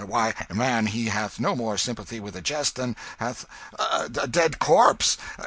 Why, man, he hath no more sympathy with a jest than hath a dead corpse!